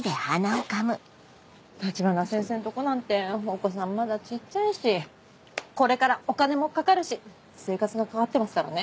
橘先生んとこなんてお子さんまだ小っちゃいしこれからお金もかかるし生活が懸かってますからね。